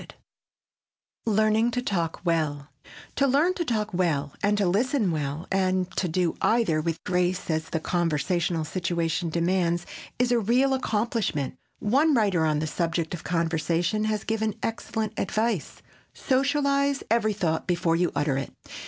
[Sidenote: LEARNING TO TALK WELL] To learn to talk well and to listen well and to do either with grace as the conversational situation demands is a real accomplishment. One writer on the subject of conversation has given excellent advice: "Socialize every thought before you utter it."